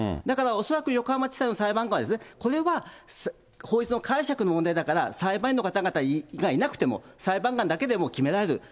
だから恐らく横浜地裁の裁判官は、これは法律の解釈の問題だから、裁判員の方々がいなくても、裁判官だけでも決められる。